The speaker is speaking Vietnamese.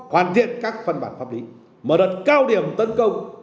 hoàn thiện các phân bản pháp lý mở đợt cao điểm tấn công